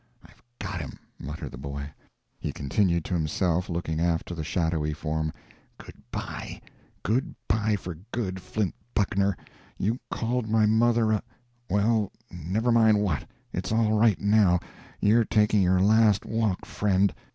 "I've got him!" muttered the boy. He continued to himself, looking after the shadowy form: "Good by good by for good, Flint Buckner; you called my mother a well, never mind what; it's all right, now; you're taking your last walk, friend."